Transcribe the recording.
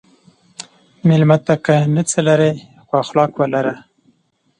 مېلمه ته که نه څه لرې، خو اخلاق ولره.